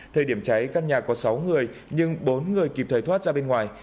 thời điểm cháy căn nhà có sáu người nhưng bốn người kịp thời thoát ra bên ngoài